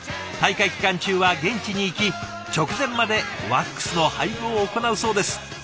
大会期間中は現地に行き直前までワックスの配合を行うそうです。